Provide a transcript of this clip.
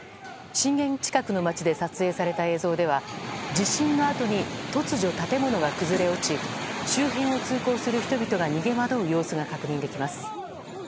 震源近くの街で撮影された映像では地震のあとに突如、建物が崩れ落ち周辺を通行する人々が逃げ惑う様子が確認できます。